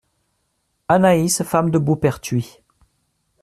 Anaïs , femme de Beauperthuis.